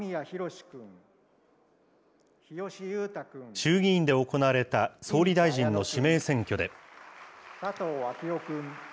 衆議院で行われた総理大臣の指名選挙で。